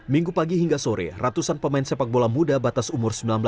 minggu pagi hingga sore ratusan pemain sepak bola muda batas umur sembilan belas